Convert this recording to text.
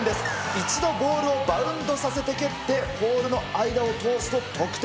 一度ボールをバウンドさせて蹴ってポールの間を通すと得点。